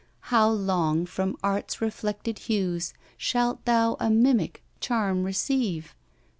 How long from Art's reflected hues Shalt thou a mimic charm receive?